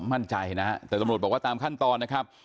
มั่นใจนะฮะแต่ตำรวจบอกว่าตามขั้นตอนนะครับ